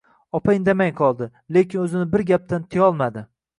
Opa indamay qoldi, lekin o‘zini bir gapdan tiyolmadi: